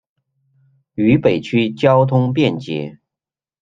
渝北区交通便捷。